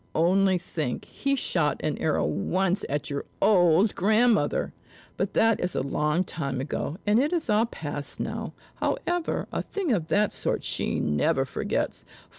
Only think, he shot an arrow once at your old grandmother! But that is a long time ago, and it is all past now; however, a thing of that sort she never forgets.